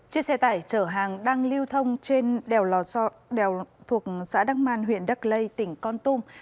chiếc xe tải chở hàng đang lưu thông trên đèo thuộc xã đăng man huyện đắc lây tỉnh con tum